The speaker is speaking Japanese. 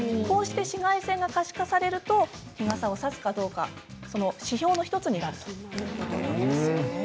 紫外線が可視化されると日傘を差すかどうか指標の１つになるということです。